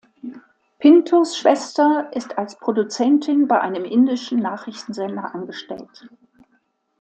Pintos Schwester ist als Produzentin bei einem indischen Nachrichtensender angestellt.